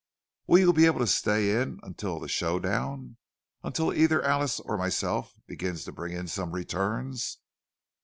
"Will you be able to stay in until the show down? Until either Alice or myself begins to bring in some returns?"